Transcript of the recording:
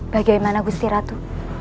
bagaimana gusti ratu